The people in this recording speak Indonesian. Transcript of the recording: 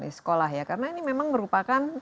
di sekolah ya karena ini memang merupakan